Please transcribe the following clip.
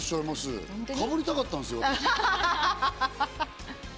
かぶりたかったんですよ。